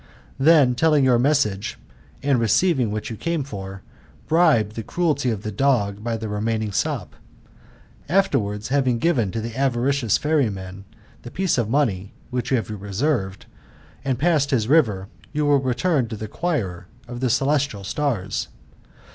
Then telling your message, and receiving what you came for, bribe the cruelty of the dog by the remainini; sop. Afterwards, having given to the avaricious ferryman the piece of money which you have reserved, and passed his river, you will return to the choir of the celestial stars.